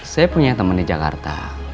saya punya teman di jakarta